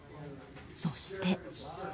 そして。